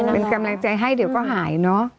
เป็นกำลังใจให้เดี๋ยวก็หายเนอะ